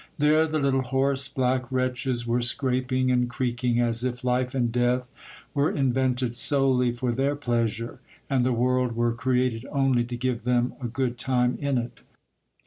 There the little hoarse, black wretches were scraping and creaking, as if life and death were invented solely for their pleasure, and the world were created only to give them a good time in it.